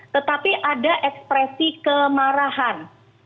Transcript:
tetapi ada ekspresi kemarahan